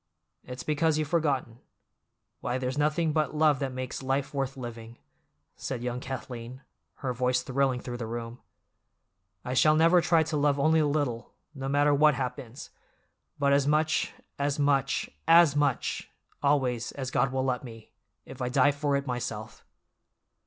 It's because you've forgotten. Why, there's nothing but love that makes life worth living!" said young Kathleen, her voice thrilling through the room. "I shall never try to love only a little, no matter what happens, but as much, as much, as much, always, as God will let me, if I die for it myself!"